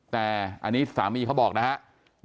แต่อันนี้สามีเขาบอกนะครับ